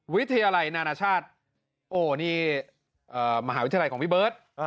วิทยาลัยนานาชาติโอ้นี่มหาวิทยาลัยของพี่เบิร์ต